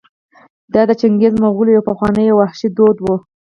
دا د چنګېزي مغولو یو پخوانی او وحشي دود و.